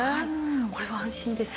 これは安心です。